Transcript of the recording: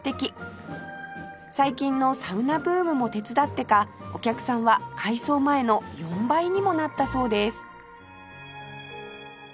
最近のサウナブームも手伝ってかお客さんは改装前の４倍にもなったそうです